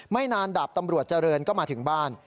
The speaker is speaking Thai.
นานดาบตำรวจเจริญก็มาถึงบ้าน